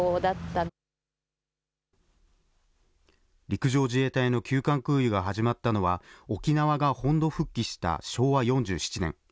陸上自衛隊の急患空輸が始まったのは、沖縄が本土復帰した昭和４７年。